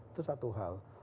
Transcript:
itu satu hal